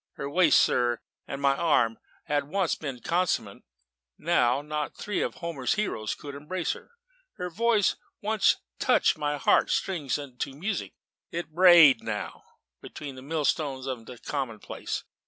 Her waist, sir, and my arm had once been commensurate: now not three of Homer's heroes could embrace her. Her voice could once touch my heart strings into music; it brayed them now, between the millstones of the commonplace.